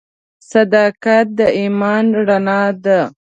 • صداقت د ایمان رڼا ده.